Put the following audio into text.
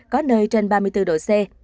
có nơi trên ba mươi bốn độ c